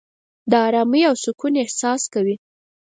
د آرامۍ او سکون احساس کوې.